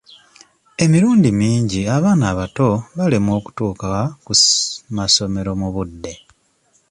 Emirundi mingi abaana abato balemwa okutuuka ku masomero mu budde.